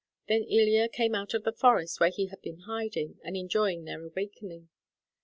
Then Ilya came out of the forest where he had been hiding and enjoying their awakening.